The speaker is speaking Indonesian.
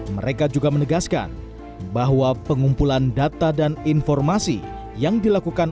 mereka juga menegaskan bahwa pengumpulan data dan informasi yang dilakukan